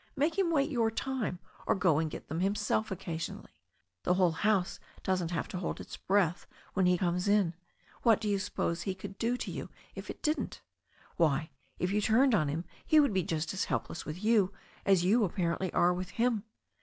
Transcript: Make him wait your time, or go and get them himself occasionally. The whole house doesn't have to hold its breath when he comes in. What do you suppose he could do to you if it didn't? Why, if you turned on him he would be just as helpless with you as you apparently are with him.